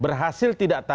berhasil tidak tanggung